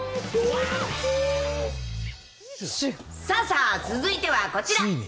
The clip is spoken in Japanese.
さあさあ、続いてはこちら。